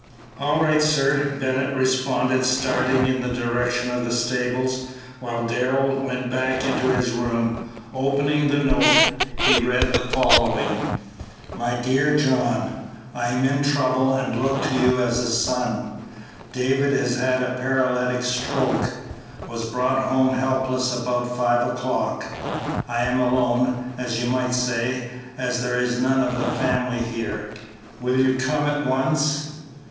"All right, sir," Bennett responded, starting in the direction of the stables, while Darrell went back into his room. Opening the note, he read the following: "MY DEAR JOHN: I am in trouble and look to you as to a son. David has had a paralytic stroke; was brought home helpless about five o'clock. I am alone, as you might say, as there is none of the family here. Will you come at once?